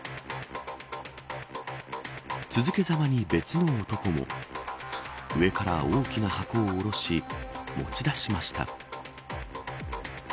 続けざまに別の男も上から大きな箱を下ろし持ち出しました。